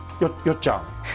よっちゃん